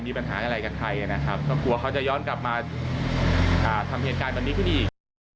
มีปัญหาอะไรกับใครนะครับก็กลัวเขาจะย้อนกลับมาทำเหตุการณ์แบบนี้ขึ้นอีกนะครับ